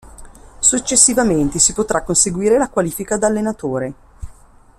Successivamente si potrà conseguire la qualifica da allenatore.